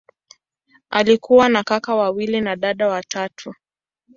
Alikuwa na kaka wawili na dada watatu.